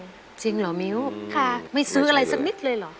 จริงเหรอมิ้วค่ะไม่ซื้ออะไรสักนิดเลยเหรอ